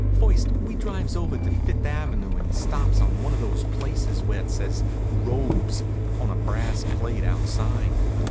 First we drives over to Fift' avenue and stops at one of those places where it says "Robes" on a brass plate outside.